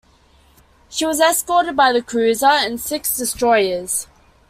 She was escorted by the cruiser and six destroyers.